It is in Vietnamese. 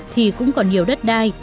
thì cũng còn nhiều đất đai